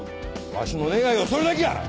わしの願いはそれだけや！